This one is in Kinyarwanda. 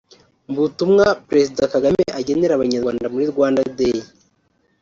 Mu butumwa Perezida Kagame agenera Abanyarwanda muri Rwanda Day